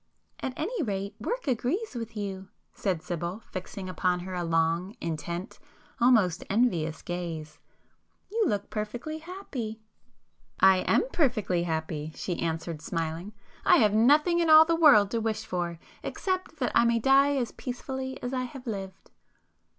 "At any rate work agrees with you,"—said Sibyl fixing upon her a long, intent, almost envious gaze—"You look perfectly happy." "I am perfectly happy,"—she answered, smiling—"I have nothing in all the world to wish for, except that I may die as peacefully as I have lived."